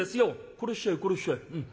「殺しちゃえ殺しちゃえうん。